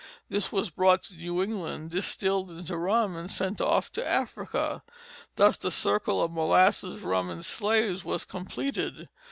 This was brought to New England, distilled into rum, and sent off to Africa. Thus the circle of molasses, rum, and slaves was completed.